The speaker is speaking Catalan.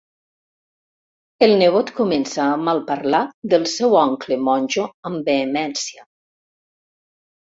El nebot comença a malparlar del seu oncle monjo amb vehemència.